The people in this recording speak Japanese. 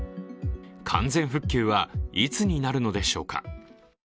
完全復旧はいつになるのでしょうか。